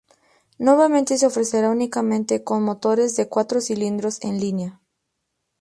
Nuevamente se ofrecerá únicamente con motores de cuatro cilindros en línea.